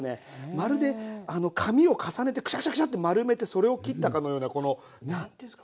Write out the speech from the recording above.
まるで紙を重ねてクシャクシャクシャって丸めてそれを切ったかのようなこの何て言うんですか。